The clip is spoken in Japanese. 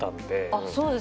あっそうですか。